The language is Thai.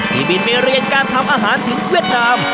บินไปเรียนการทำอาหารถึงเวียดนาม